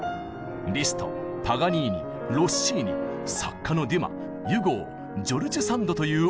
リストパガニーニロッシーニ作家のデュマユゴージョルジュ・サンドというオールスター！